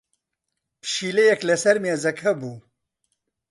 پشیلەیەک لەسەر مێزەکە بوو.